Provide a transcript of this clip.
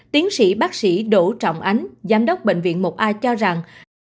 tiến sĩ bác sĩ đỗ trọng ánh giám đốc bệnh viện một a cho rằng